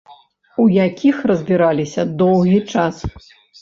У якіх разбіраліся доўгі час.